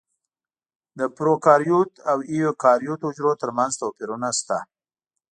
د پروکاریوت او ایوکاریوت حجرو ترمنځ توپیرونه شته.